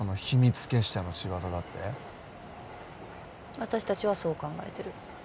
私たちはそう考えてる。